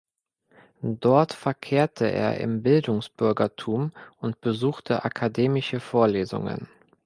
Dort verkehrte er im Bildungsbürgertum und besuchte akademische Vorlesungen.